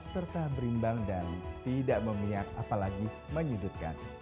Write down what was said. serta berimbang dan tidak memiak apalagi menyudutkan